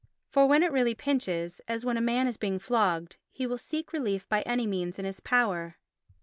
For when it really pinches, as when a man is being flogged, he will seek relief by any means in his power.